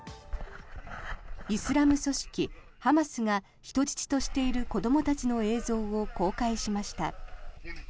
イスラム組織ハマスが人質としている子どもたちの映像を公開しました。